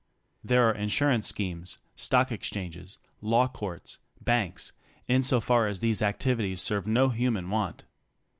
There are insurance schemes, stock exchanges, law courts, banks, insofar as these activities serve no human want.